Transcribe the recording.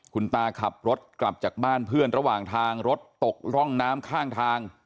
คุณตาขับรถกลับจากบ้านเพื่อนระหว่างทางรถตกร่องน้ำข้างทาง